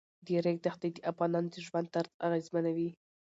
د ریګ دښتې د افغانانو د ژوند طرز اغېزمنوي.